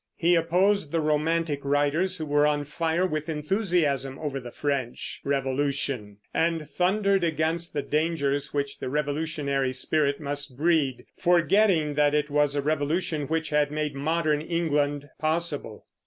He opposed the romantic writers, who were on fire with enthusiasm over the French Revolution, and thundered against the dangers which the revolutionary spirit must breed, forgetting that it was a revolution which had made modern England possible.